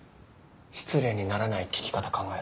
失礼にならない聞き方考えるんで。